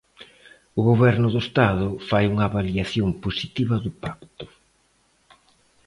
O Goberno do Estado fai unha avaliación positiva do pacto.